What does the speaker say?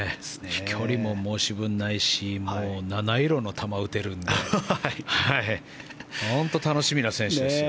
飛距離も申し分ないし七色の球を打てるので本当に楽しみな選手ですよ。